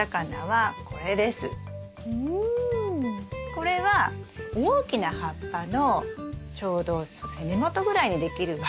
これは大きな葉っぱのちょうど根元ぐらいにできるわき芽なんですね。